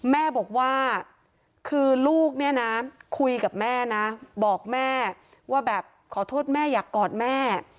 แม่บอกว่าคือลูกเนี่ยนะคุยกับแม่นะบอกแม่ว่าแบบขอโทษแม่อยากกอดแม่